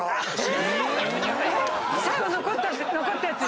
最後残ったやつに？